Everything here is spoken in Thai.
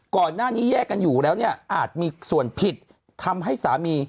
ก่อนหน้านี้แยกกันอยู่แล้วเนี่ยอาจมีส่วนผิดทำให้สามี